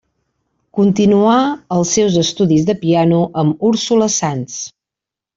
Continuà els seus estudis de piano amb Úrsula Sans.